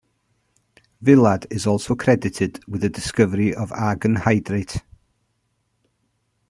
Villard is also credited with the discovery of argon hydrate.